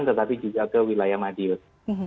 tetapi juga ke wilayah madiun